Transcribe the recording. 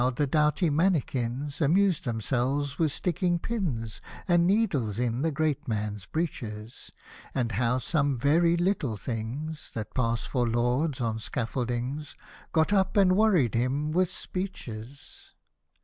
the doughty mannikins Amused themselves with sticking pins, And needles in the great man's breeches : And how some very httle things, That passed for Lords, on scaffoldings Got up, and worried him with speeches.